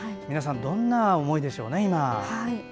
皆さん、今どんな思いでしょうね。